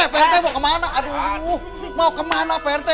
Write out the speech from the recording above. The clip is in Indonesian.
pak rt mau kemana aduh mau kemana pak rt